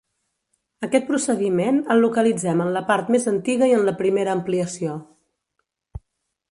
Aquest procediment el localitzem en la part més antiga i en la primera ampliació.